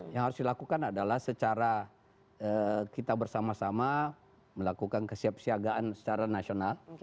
yang harus dilakukan adalah secara kita bersama sama melakukan kesiapsiagaan secara nasional